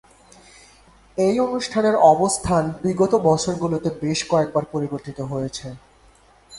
এই অনুষ্ঠানের অবস্থান বিগত বছরগুলোতে বেশ কয়েকবার পরিবর্তিত হয়েছে।